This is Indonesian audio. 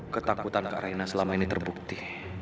ketakutan kak raina selama ini terbukti